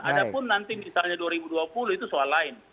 ada pun nanti misalnya dua ribu dua puluh itu soal lain